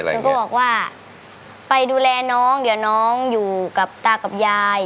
หนูก็บอกว่าไปดูแลน้องเดี๋ยวน้องอยู่กับตากับยาย